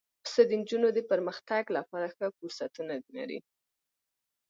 پسه د نجونو د پرمختګ لپاره ښه فرصتونه لري.